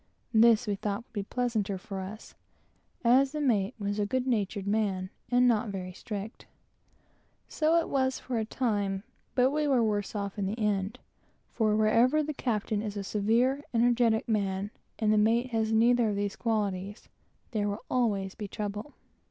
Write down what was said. This we thought would be pleasanter for us, as the mate was a good natured man and not very strict. So it was for a time, but we were worse off in the end; for wherever the captain is a severe, energetic man, and the mate is wanting in both these qualities, there will always be trouble.